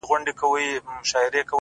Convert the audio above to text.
وربــاندي نــه وركوم ځــان مــلــگــرو ـ